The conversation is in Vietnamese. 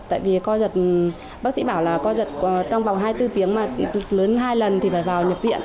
tại vì co giật bác sĩ bảo là co giật trong vòng hai mươi bốn tiếng mà lớn hai lần thì phải vào nhập viện